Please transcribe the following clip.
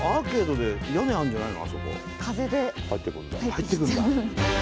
入ってくるんだ。